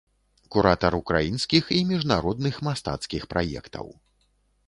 Куратар ўкраінскіх і міжнародных мастацкіх праектаў.